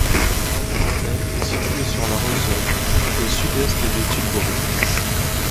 Moergestel est situé sur la Reusel, au sud-est de Tilburg.